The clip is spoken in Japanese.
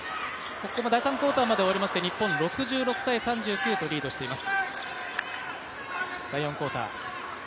第３クオーターまで終わりまして日本６６−３９とリードしています。